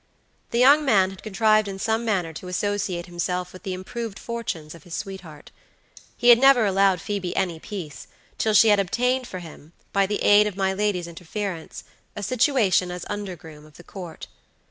The young man had contrived in some manner to associate himself with the improved fortunes of his sweetheart. He had never allowed Phoebe any peace till she had obtained for him, by the aid of my lady's interference, a situation as undergroom of the Court.